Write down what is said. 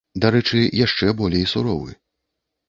Дарэчы, яшчэ болей суровы.